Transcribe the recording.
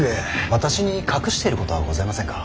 私に隠していることはございませんか。